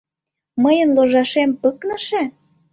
Мыйын ложашем пыкныше?